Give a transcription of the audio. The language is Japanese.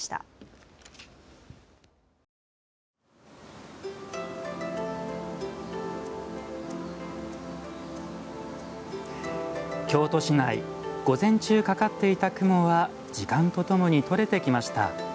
京都市内午前中かかっていた雲は時間とともにとれてきました。